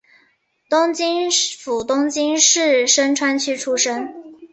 东京府东京市深川区出身。